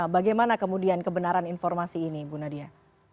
bagaimana kemudian kebenaran informasi ini bu nadia